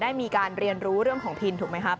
ได้มีการเรียนรู้เรื่องของพินถูกไหมครับ